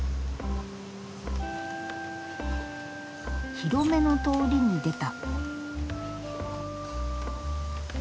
広めの通りに出た。